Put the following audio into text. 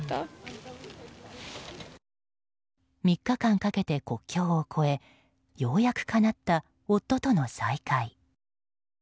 ３日間かけて国境を越えようやくかなった夫との再会。